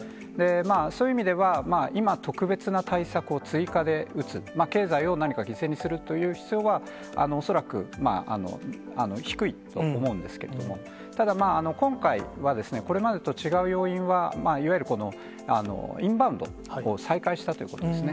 そういう意味では、今、特別な対策を追加で打つ、経済を何か犠牲にするという必要は、恐らく低いと思うんですけれども、ただ、今回はこれまでと違う要因は、いわゆるインバウンドを再開したということですね。